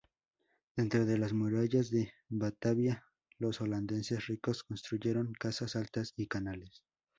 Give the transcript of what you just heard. Dentro de las murallas de Batavia, los holandeses ricos construyeron casas altas y canales.